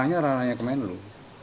ini rana rana kemenlu